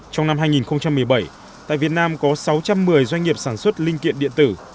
trong năm hai nghìn một mươi bảy tại việt nam có sáu trăm một mươi doanh nghiệp sản xuất linh kiện điện tử